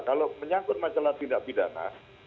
kalau menyangkut masalah tindak pidana